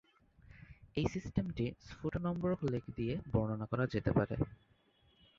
এই সিস্টেমটি স্ফূটনম্বরক লেখ দিয়ে বর্ণনা করা যেতে পারে।